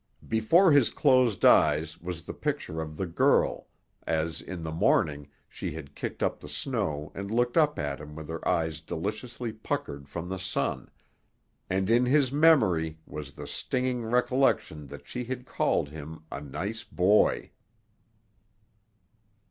Before his closed eyes was the picture of the girl as, in the morning, she had kicked up the snow and looked up at him with her eyes deliciously puckered from the sun; and in his memory was the stinging recollection that she had called him a "nice boy."